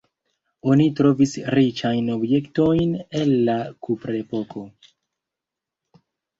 Oni trovis riĉajn objektojn el la kuprepoko.